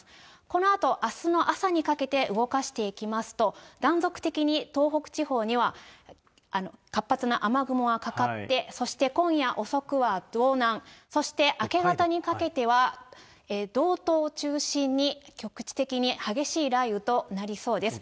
このあとあすの朝にかけて動かしていきますと、断続的に東北地方には、活発な雨雲がかかって、そして今夜遅くは道南、そして明け方にかけては道東中心に、局地的に激しい雷雨となりそうです。